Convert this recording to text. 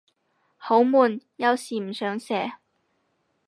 好悶，有時唔想寫